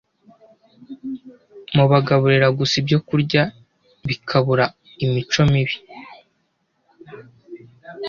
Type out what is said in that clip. Mubagaburira gusa ibyokurya bikabura imico mibi